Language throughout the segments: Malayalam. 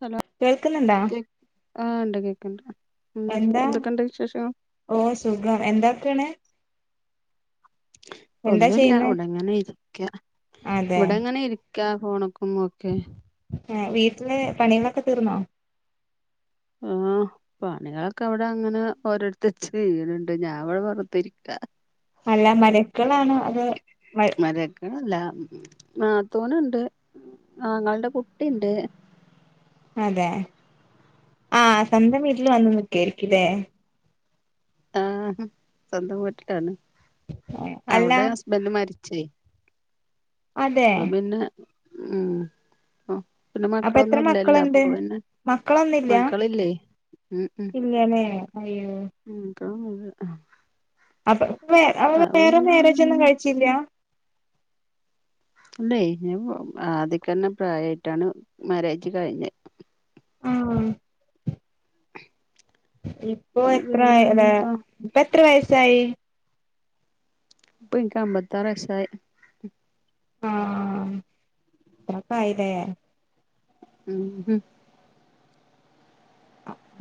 ഹലോ കേൾക്കുന്നുണ്ടാ കേ ആഹ് ണ്ട് കേക്ക്ണ്ട് പിന്നെ എന്താ എന്തൊക്കെണ്ട് വിശേഷം? ഓ സുഖം എന്തൊക്കാണ് എന്താ ഒന്നുല്ല ചെയ്യുന്നെ ഇവടെങ്ങനെ ഇരിക്ക അതെ ഇവടെങ്ങനെ ഇരി ക്ക്യാ ഫോണക്കും ഓക്കെ ഏഹ് വീട്ടില് പണികളൊക്കെ തീർന്നോ ആഹ് [inaudible] പണികളൊക്കെ അവിടെ അങ്ങനെ ഓരോര്ത്ത ചെയ്യണ് ണ്ട് ഞാൻ ഇവടെ വെറുതെ ഇര്ക്കാണ് അല്ല മരക്കളാണ് അത് മ മരക്കളല്ല നാത്തൂന്ണ്ട് ആങ്ങൾൻ്റെ കുട്ടിണ്ട്. അതെ ആഹ് സ്വന്തം വീട്ടിൽ വന്ന് നിക്കായിരിക്കും ലേ ആഹ് സ്വന്തം വീട്ടിലാണ് അല്ല അവടെ ഹസ്ബൻ്റ് മരിച്ചേ അതെ അപ്പൊ പിന്നെ ഉം പിന്നെ അപ്പൊ മക്കളൊന്നു എത്ര ഇല്ലല്ലോ മക്കളുണ്ട് അപ്പൊ പിന്നെ മക്കളില്ലേ ഉം ഇല്ലനേ അയ്യോ ഉം [unintelligible] അപ്പൊ വേ അപ്പൊ അത് വേറെ പിന്നെ മേരേജ് ഒന്നും കഴിച്ചില്ല ഇല്ലേയ് ഞാ ആദ്യകന്നെ പ്രായായിട്ടാണ് മാരേജ് കഴിഞ്ഞ ആഹ് ഇപ്പൊ എത്ര പിന്നെ ആയി അല്ല ഇനിയിപ്പോ ഇപ്പ എത്ര വയസ്സായി? ഇപ്പൻക്ക് അമ്പത്താറ് വയസായി ആഹ് അത്രക്കായി ലേ ഉം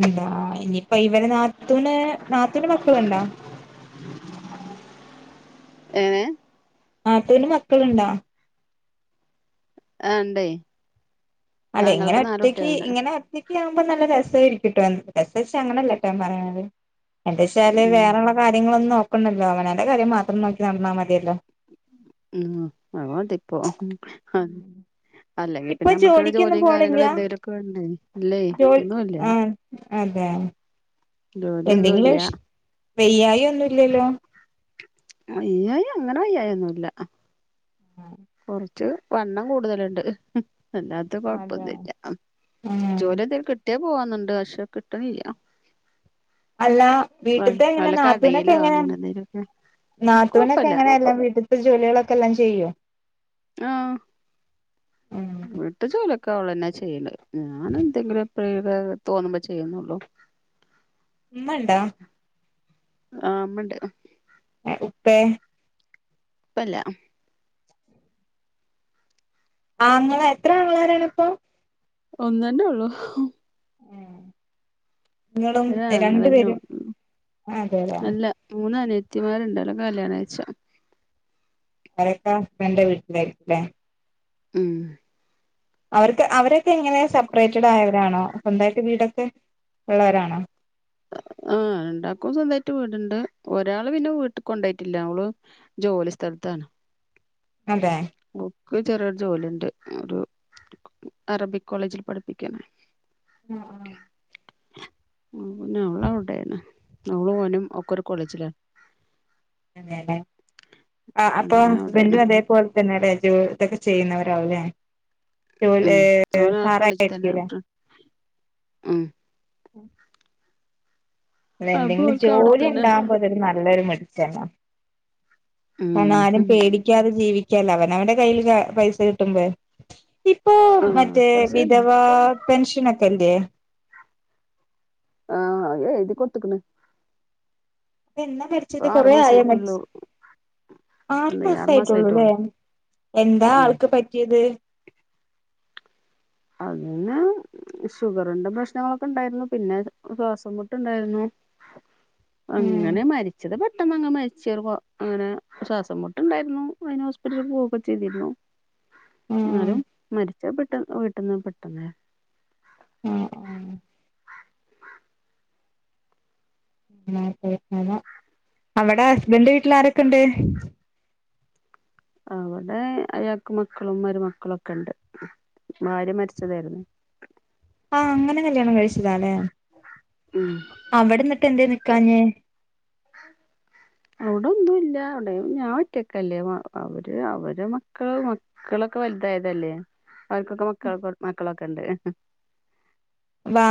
എന്താ ഇനിയിപ്പ ഇവരെ നാത്തൂന് നാത്തൂന് മക്കള്ണ്ടോ? ഏഹ് നാത്തൂന് മക്കള്ണ്ടോ? ആഹ് ഉണ്ടേ അല്ലെ ഇങ്ങനെ ഒറ്റയ്ക്ക് ഇങ്ങനെ നെക്കെയാവുമ്പോ നല്ല രസായിരിക്ക ട്ടോ രസച്ച അങ്ങനല്ല ട്ടോ പറയ്ണത്. എന്തേചാല് ഉം വേറള്ള കാര്യങ്ങളൊന്നും നോക്കണ്ടല്ലോ അവനാന്റെ കാര്യം മാത്രം നോക്കി നടന്നാ മതിയല്ലോ ഉം അത് മതി ഇപ്പോ [inaudible] ഇപ്പൊ ജോലിക്കൊന്നും പോണില്ല കാര്യങ്ങളും എന്തെങ്കിലുമൊക്കെ വേണ്ടേ ഇല്ലേ ജോലി ഒന്നുല്ല ആഹ് അതെ ജോലിയൊന്നുല്ല എന്തെങ്കിലും ഷ് വെയ്യായി ഒന്നു ഇല്ലല്ലോ വയ്യായി അങ്ങനെ വയ്യായി ഒന്നുല്ല ആഹ് കൊറച്ച് വണ്ണം കൂടുതല്ണ്ട് ഉം അല്ലാ അതെ കൊഴപ്പൊന്നുല്ല ഉം ജോലി എന്തെലും കിട്ടിയാ പോവാന്ന്ണ്ട് പക്ഷെ കിട്ട്ണില്ല അല്ലാ വീട്ട്ത്തെ എങ്ങനെ നാത്തൂനൊക്കെ കടയിലോ എങ്ങനെ അങ്ങനെ എന്തെലുമൊക്കെ നാത്തൂനൊക്കെ കൊഴപ്പല്ല എങ്ങനെയ എല്ലാം വീട്ട്ത്തെ ജോലികളൊക്കെ എല്ലാം ചെയ്യോ ആഹ് ഉം വീ ട്ട് ജോലി ഒക്കെ ഓളെന്നെ ചെയ്യല് ഞാൻ എന്തെങ്കിലും എപ്പഴേങ്കിലും തോന്നുമ്പോ ചെയ്യുന്നുള്ളൂ ഉമ്മണ്ടാ ആഹ് ഉമ്മണ്ട് എഹ് ഉപ്പേ പ്പല്ല ആങ്ങള എത്ര ആങ്ങളാരാണിപ്പൊ ഒന്നന്നെ ഉള്ളു നിങ്ങളും രണ്ടു പേരും ഒരാങ്ങളന്നൊള്ളു അതെ അതെ അല്ല മൂന്ന അനിയത്തിമാര്ണ്ടല്ലോ കല്യാണാഴ്ച അവരൊക്ക ഹസ്ബന്റെ വീട്ടിലായിരിക്കും ല്ലേ ഉം അവർക്ക് അവരൊക്കെ എങ്ങനെ സെപ്പറേറ്റഡ് ആയവരാണോ സ്വന്തായിട്ട് വീടൊക്കെ ള്ളവരാണോ ആഹ് രണ്ടാക്കും സ്വന്തായിട്ട് വീടുണ്ട് ഒരാള് പിന്നെ വീട്ട്ക്കൊണ്ടോയിട്ടില്ല ഓള് ജോലി സ്ഥലത്താണ് അതെ ക്ക് ചെറിയൊരു ജോലിണ്ട് ഒരു അറബിക്കോളേജി പഠിപ്പിക്കാണ് അഹ് ആഹ് പിന്നെ ഓള് അവിടെണ് ഓളും ഓനും ഒക്കൊരു കോളേജിലാ അതെലേ ആഹ് അപ്പൊ അങ്ങനെ അവിടെയാണ് ഹസ്ബന്റും അതേപോൽ തന്നെല്ലേ ജോലതൊക്കെ ചെയ്യുന്നവരാവല്ലേ ജോലി ഉം ഓന് ആ കോളേജിൽ തന്നെ സാറായിരിക്കലേ അപ്പ ഉം ഉം അതെ അപ്പൊ എന്തെങ്കിലും ഓൽക്ക് ജോലി അവിടെത്തന്നെ ഉണ്ടാവുമ്പോ ഒര് നല്ലരു ഉം മെടിച്ചന്നരും പേട ക്കാതെ ജീവിക്കല്ല അവനവന്റെ കയ്യിൽ പൈസ കിട്ടുമ്പോ ഇപ്പോ ആഹ് മറ്റേ അത് ശരി വിധവ പെൻഷനൊക്കെല്ലേ ആഹ് അത് എഴുതി കൊട്ത്ത്ക്ക്ണ് ഇത് എന്നാ ഇപ്പ മരിച്ചത് ആറു കൊറെ ആയോ മരിച് മാസായിട്ടുള്ളൂ ആറു എന്താ മാസയിട്ടുള്ളുല്ലേ മാസായിട്ടുള്ളൂ എന്താ ഉം ആൾക്ക് പറ്റിയത് അണ്ണന് ഷുഗറിന്റെ പ്രശ്നങ്ങളൊക്കെണ്ടാരുന്നു പിന്നെ ശ്വാസം മുട്ടലുണ്ടാരുന്നു ഉം അങ്ങനെ മരിച്ചത് പെട്ടന്നങ്ങ് മരിച് ഒര് കൊ അങ്ങനെ ശ്വാസം മുട്ടുണ്ടായിരുന്നു അതിന് ഹോസ്പിറ്റല് പോവക്കെ ചെയ്തിരുന്നു ഉം ന്നാലും മരിച്ച പെട്ട വീട്ട്ന്ന് പെട്ടെന്ന് ആഹ് ആഹ് [unintelligible] അവടെ ഹസ്ബന്റെ വീട്ടിലാരൊക്കെണ്ട് അവിടെ അയാക്ക് മക്കളും മരുമക്കളൊക്കെണ്ട് ഭാര്യ മരിച്ചതായിരുന്നു ആഹ് അങ്ങനെ കല്യാണം കഴിച്ചതാല്ലെ ഉം അവിടെന്നിട്ടെന്തേ നിക്കാഞ്ഞേ അവിടൊന്നുല്ല അവിടെ ഞാൻ ഒറ്റക്കല്ലേ അവര് അവരെ മക്കൾ മക്കളൊക്കെ വലുതായതല്ലേ അവർക്കൊക്കെ മക്കൾക്കെ മക്കളൊക്കെണ്ട് വാ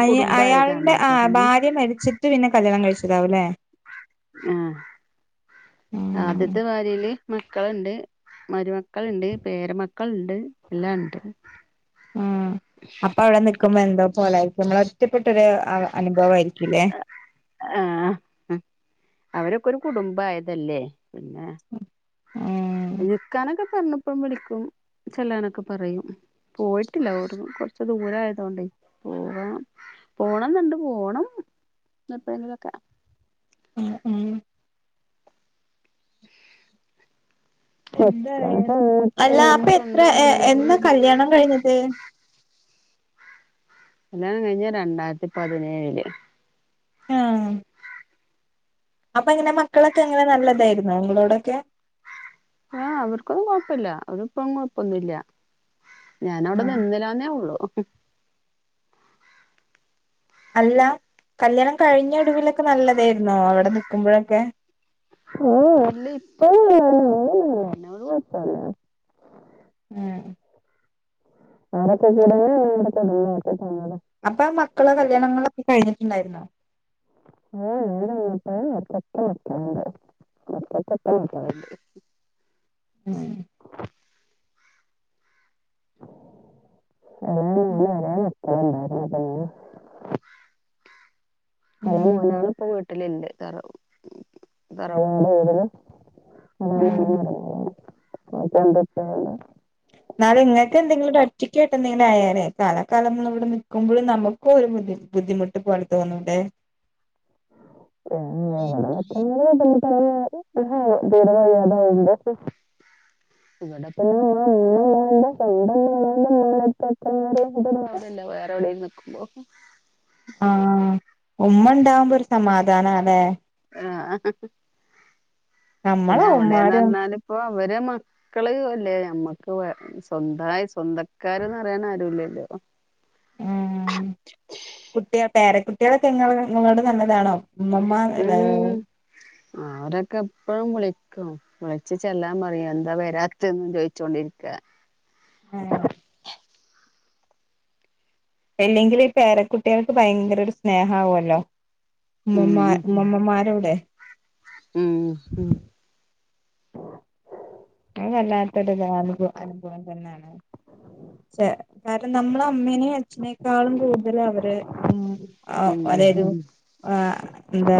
അയ അയാളൾടെ അപ്പൊ ആഹ് പിന്നെ ഭാര്യ മരിച്ചിട്ട് പിന്നെ കല്യാണം കഴിച്ചതാവൂല്ലേ ആഹ് ഉം ആദ്യത്തെ ഭാര്യയില് മക്കള്ണ്ട് മരുമക്കൾണ്ട് പേരമക്കളുണ്ട് എല്ലാണ്ട് ഉം അപ്പൊ അവിടെ നിക്കുമ്പോ എന്തോ പോലായിരിക്കും നമ്മളൊറ്റപ്പെട്ടൊരു അനുഭവയിരിക്കുംല്ലേ ആഹ് അവരൊക്കെരു കുടുംബായതല്ലേ പിന്നെ ഉം ന്ക്കാനൊക്കെ കണപ്പം വിളിക്കും ചെല്ലാനൊക്കെ പറയും പോയിട്ടില്ല ഓ കൊറച്ച് ദൂരയതണ്ടയ് പോവണം പോണന്നുണ്ട് പോണം ന്ന് എപ്പോഴെങ്കിലും ഒക്കെ. ഉം ഉം എന്താ അല്ല മക്കൾക്കും അപ്പൊ എത്ര സ്വന്തം ഉമ്മുണ്ടാവും എന്നാ കല്യാണം കഴിഞ്ഞത്? കല്യാണം കഴിഞ്ഞെ രണ്ടായിരത്തി പതിനേഴില് ആഹ് അപ്പൊ ഇങ്ങനെ മക്കളൊക്കെ അങ്ങനെ നല്ലതായിരുന്നോ നിങ്ങളോടൊക്കെ? ആ അവർക്കൊന്നും കുഴപ്പില്ല അവരിപ്പഴും കുഴപ്പൊന്നു ഇല്ല. ഞാൻവിടെ നിന്നലാന്നേ ഉള്ളു അല്ല കല്യാണം കഴിഞ്ഞ ഒടുവിലൊക്കെ നല്ലതായിന്നോ അവിടെ നക്കുമ്പോഴൊക്കെ? [unintelligible] മ് [unintelligible] അപ്പൊ മക്കളെ കല്യാണങ്ങളൊക്കെ കഴിഞ്ഞിട്ടുണ്ടായിരുന്നോ? [unintelligible] ഉം ഉം [unintelligible] ഉം [unintelligible] ആഹ് [unintelligible] എന്നാ നിങ്ങൾക്ക് എന്തെങ്കിലും ഒരു ഒറ്റിക്ക് കിട്ടുന്നയെലും ആയേനെ തലക്കാലംന്ന് ഇവിടെ നിൽക്കുമ്പോഴും നമ്മ് - - നമുക്കൊരു ബുദ്ധി ബുദ്ധിമുട്ട് പോണ തോന്നല്ലേ [unintelligible] [unintelligible] അതൊവലല്ലോ ഉം വേറെ എവിടെയും നിക്കുമ്പോ ആഹ് ഉമ്മ ഉണ്ടാകുമ്പോ ഒരു സമാധാനം അലെ ആ നമ്മളെ പിന്നെ അവിടെന്ന് ഉമ്മാരും പറഞ്ഞാൽ ഇപ്പോ അവര് മ ക്കള് അല്ലേ നമ്മക്ക് വ സ്വന്തായി സ്വന്തക്കാരന്ന് പറയാൻ ആരുല്ലല്ലോ. ആഹ് കുട്ടിക പേരകുട്ടികളൊക്കെ ങ്ങ നിങ്ങളോട് നല്ലതാണോ? മ്മമ ആലേ ഉം അവരൊക്കെ എപ്പഴും വിളിക്കും വിളിച്ച് ചെല്ലാൻ പറയും എന്താ വരാത്തെന്നും ചോദിച്ചോണ്ടിരിക്ക [unintelligible] അല്ലെങ്കിലും ഈ പേരക്കുട്ടികൾക്ക് ഭയങ്കര ഒരു സ്നേഹം ആവുല്ലോ. ഉം ഉമ്മമാ ഉം ഉമ്മമാരോടെ ഉം ഉ അ വല്ലാത്തൊരു അനുവ അനുഭവം തന്നെയാണ്. ചെ കാരണം നമ്മള് അമ്മേനേ അച്ഛനേക്കാളും കൂടുതൽ അവരെ ഉം ആ ഉം ഉം [unintelligible] ആ എന്താ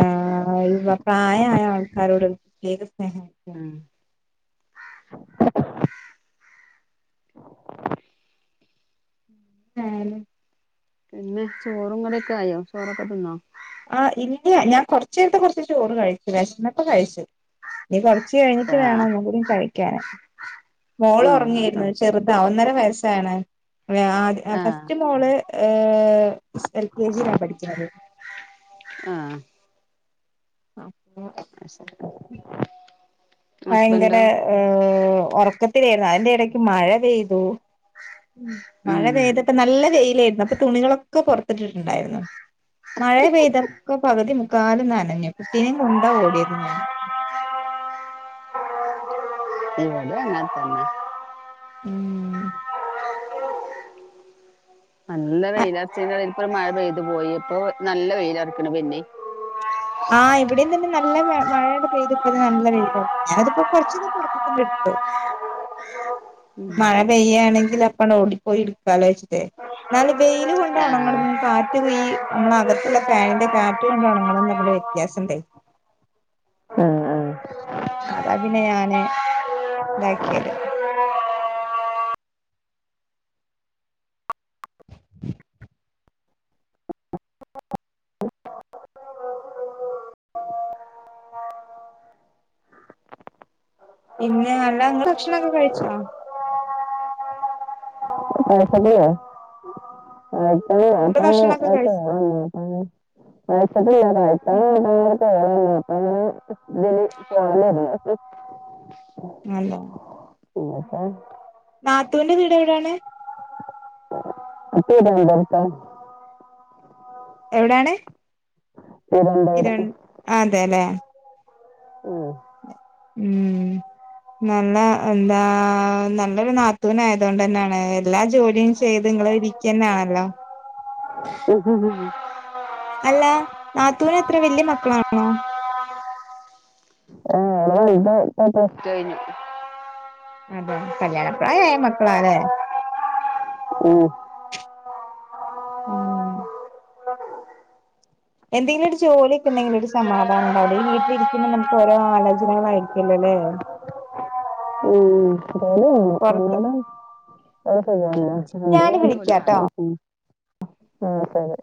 വ് പ്രായായ ആൾക്കാരോട് ഒരു പ്രത്യേക സ്നേഹാ. [inaudible] [unintelligible] പിന്നെ ചോറും കറിയൊക്കെ ആയോ ചോറൊക്കെ തിന്നോ? ആ ഇനി ഞാൻ കുറച്ചു നേരത്തെ കുറച്ച് ചോറ് കഴിച്ചു വിശന്നപ്പ കഴിച്ചു. നി കൊറച്ച് കഴിഞ്ഞിട്ട് വേണം ആഹ് ഒന്നും കൂടി കഴിക്കാന് മോള് ആഹ് ഉറങ്ങിയിരുന്നു ചെറുതാ ഒന്നര വയസ്സാണ് വ അ അ ആഹ് ഫസ്റ്റ് ത്തവള് ഏ എൽ കെ ജിയിലാ പഠിക്കണത്. ആഹ് അപ്പോ [inaudible] ഭയങ്കര ഹസ്ബന്റോ ഏഹ് ഉറക്കത്തിലായിരുന്നു അതിന്റെ ഇടക്ക് മഴ പെയ്തു മഴ ഉം പെയ്തപ്പ നല്ല വെയിലായിരുന്നു അപ്പൊ തുണികളൊക്കെ പുറത്തിട്ടിട്ടുണ്ടായിരുന്നു. മഴ പെയ്തക്കെ പകുതി മുക്കാലും നനഞ്ഞ് കുട്ടിനിം കൊണ്ടാ ഓടിയത് ഞാന്. ഇവടിം അങ്ങൻത്തന്നെ ഉം നല്ല വെയിലറച്ച്ക്ഇപ്പ മഴ പെയ്തു പോയി ഇപ്പോ നല്ല വെയിലറക്ക്ണ്പിന്നിം. ആഹ് ഇവിടീം തന്നെ നല്ല മഴണ്ട് പെയ്തിപ്പ നല്ല വെയില ഞാനതിപ്പൊ കൊറച്ചൊക്കെ പൊറ നിട്ട്. [inaudible] ഉം മഴ പെയ്യാണെങ്കിൽ അപ്പൊട് ഓടിപ്പോയി എട്ക്കാലൊച്ചിട്ടേ. എന്നാല് വെയിൽ ആഹ് കൊണ്ടൊണങ്ങതും കാറ്റ് വീ നമ്മളകത്തുള്ള ഫാനിന്റെ കാറ്റ് കൊണ്ടാണങ്ങതും [unintelligible] വ്യത്യാസം ഇണ്ടേ ആഹ് ആഹ് അതാ പിന്നെ ഞാന് ഇതാക്കിയത്. ഉം പിന്നെ അല്ല ങ്ങള്ഭക്ഷണൊക്കെ കഴിച്ചോ? നിങ്ങള് [inaudible] ഭക്ഷണൊക്കെ കഴിച്ച [inaudible] [inaudible] നല്ല പിന്നെത്ത നാത്തൂന്റെ വീടെവ്ടാണ്? [unintelligible] എവ്ടാണ്. ഇരൺ. തിരുവനന്തപുരം അതെലെ. ഓഹ്. ഉം നല്ല എന്താ നല്ലൊരു നാത്തൂനായതൊണ്ടെ ന്നെണ് എല്ലാ ജോലിം. ചെയ്ത്ങ്ങൾ ഇരിക്കന്നേണല്ലോ. [inaudible] അല്ല നാത്തൂന് എത്ര വല്യ മക്കളാണോ? ആഹ്, ഓളെ വലുതാ പ പ്ലസ്റ്റു കഴ്ഞ്ഞ്. പ അതെ, കല്യാണപ്രായായ മക്കളാലേ? ഉം ആഹ് [inaudible] എന്തെങ്കിലും ഒരു ജോലിയൊക്കെ ഇ ണ്ടെങ്കില് ഒരു സമാധാനംണ്ടാവും. ഈ വീട്ടിലിരിക്കുമ്പോ നമുക്ക് ഓരോ ആലോചനകളായിരിക്കല്ലോലേ. [inaudible] ഉം അതന്ന പൊറത്ത് [unintelligible] ഞാന് വിളിക്കാട്ടോ [inaudible] ശരി